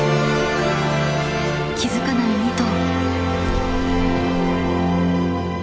気付かない２頭。